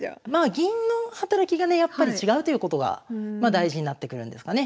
銀の働きがねやっぱり違うということが大事になってくるんですかね。